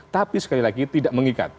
tapi sekali lagi tidak mengikat